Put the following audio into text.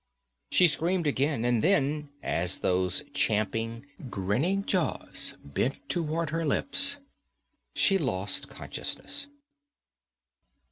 She screamed again, and then, as those champing, grinning jaws bent toward her lips, she lost consciousness....